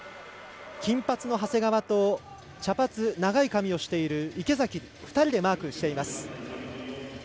金髪の長谷川と茶髪、長い髪をしている池崎、２人でマークしています。